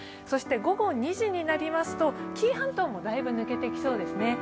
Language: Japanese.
そして午後２時になりますと紀伊半島もだいぶ抜けてきそうです。